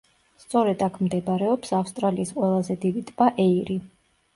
სწორედ აქ მდებარეობს ავსტრალიის ყველაზე დიდი ტბა ეირი.